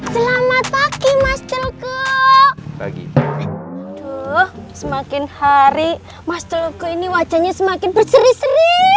selamat pagi mas telku semakin hari mas telku ini wajahnya semakin berseri seri